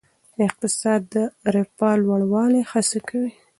اقتصاد د رفاه لوړولو هڅه کوي.